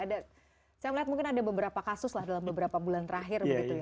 saya melihat mungkin ada beberapa kasus dalam beberapa bulan terakhir